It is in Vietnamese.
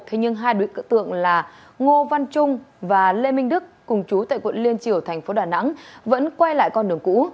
thế nhưng hai đối tượng là ngô văn trung và lê minh đức cùng chú tại quận liên triều thành phố đà nẵng vẫn quay lại con đường cũ